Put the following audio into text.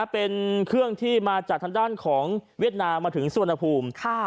เป็นเครื่องที่มาจากทางด้านของเวียดนามมาถึงสวนภูมิ